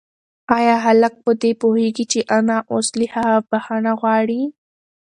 ایا هلک په دې پوهېږي چې انا اوس له هغه بښنه غواړي؟